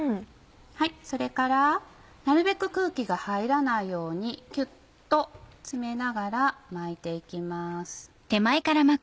それからなるべく空気が入らないようにキュっと詰めながら巻いて行きます。